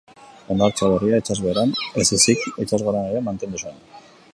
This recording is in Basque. Hondartza berria itsasbeheran ez ezik itsasgoran ere mantendu zen.